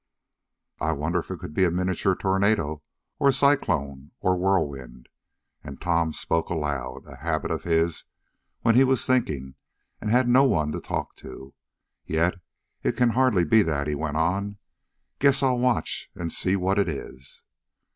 "I wonder if it could be a miniature tornado, or a cyclone or whirlwind?" and Tom spoke aloud, a habit of his when he was thinking, and had no one to talk to. "Yet it can hardly be that." he went on. "Guess I'll watch and see what it is."